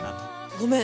ごめん！